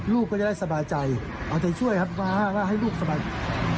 ลูกก็จะได้สบายใจเอาใจช่วยครับฟ้าว่าให้ลูกสบาย